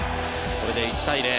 これで１対０。